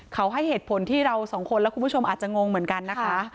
เขาให้เหตุผลที่เราสองคนและคุณผู้ชมอาจจะงงเหมือนกันนะคะ